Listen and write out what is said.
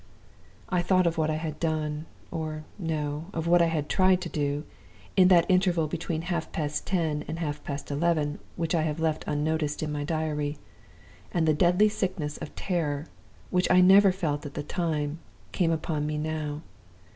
"I thought of what I had done or, no, of what I had tried to do in that interval between half past ten and half past eleven, which I have left unnoticed in my diary and the deadly sickness of terror, which I never felt at the time, came upon me now.